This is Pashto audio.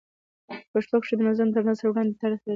په پښتو کښي نظم تر نثر وړاندي تاریخ لري.